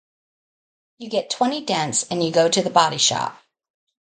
You get twenty dents and you go to the body shop.